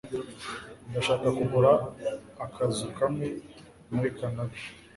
Ndashaka kugura akazu kamwe muri Kanada.